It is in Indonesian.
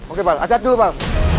oke pak atas dulu pak